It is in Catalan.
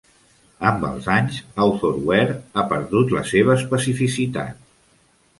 Amb els anys, Authorware ha perdut la seva especificitat.